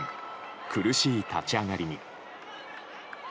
苦しい立ち上がりに。